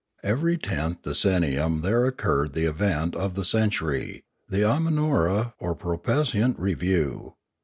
Every tenth decennium there occurred the event of the century, the Imanora or prospicient review.